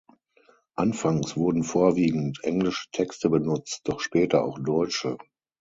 Anfangs wurden vorwiegend englische Texte benutzt, doch später auch deutsche.